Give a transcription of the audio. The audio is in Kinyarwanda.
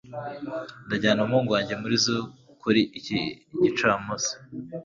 ndajyana umuhungu wanjye muri zoo kuri iki gicamunsi